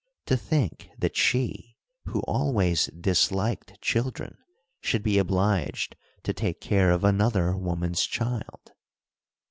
To think that she, who always disliked children, should be obliged to take care of another woman's child!